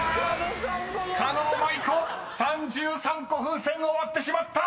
［狩野舞子３３個風船を割ってしまった！］